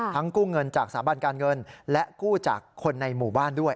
กู้เงินจากสถาบันการเงินและกู้จากคนในหมู่บ้านด้วย